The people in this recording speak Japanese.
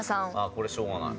これしょうがない。